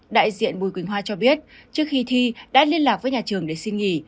đại diện bùi quỳnh hoa cho biết trước khi thi đã liên lạc với nhà trường để xin nghỉ